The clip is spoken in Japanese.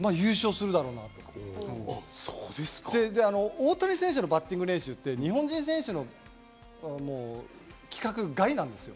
大谷選手のバッティング練習って、日本人選手の規格外なんです。